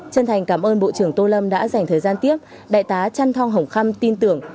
chân thành cảm ơn bộ trưởng tô lâm đã dành thời gian tiếp đại tá trần thong hồng khâm tin tưởng